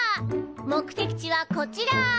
目的地はこちら。